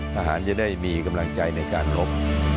จะได้มีกำลังใจในการลบ